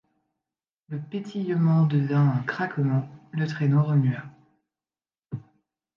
Le pétillement devint un craquement, le traîneau remua.